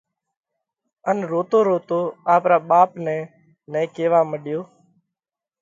ان روتو روتو آپرا ٻاپ نئہ نئہ ڪيوا مڏيو: